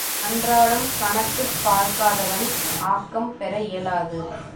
அன்றாடம் கணக்குப் பார்க்காதவன் ஆக்கம் பெற இயலாது.